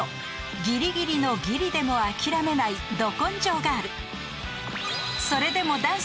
［ギリギリのギリでも諦めないど根性ガール］